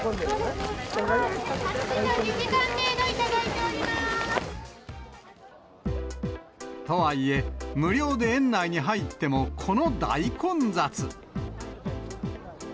２時間程度いただいておりまとはいえ、無料で園内に入っても、この大混雑。